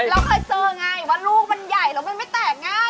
เราเคยเจอไงว่าลูกมันใหญ่แล้วมันไม่แตกง่าย